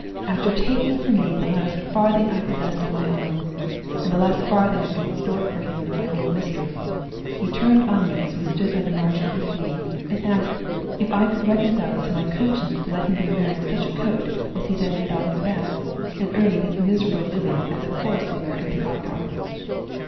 After taking from me the last farthing I possessed of my own, and the last farthing I could extort for him from my old mistress, he turned on me as we stood by the margin of the sea, and asked if I could reconcile it to my conscience to let him be wearing such a coat as he then had on his back, and earning his miserable living as a chorus singer at the opera!